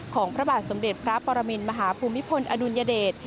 พระบาทสมเด็จพระปรมินมหาภูมิพลอดุลยเดช